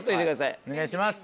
お願いします。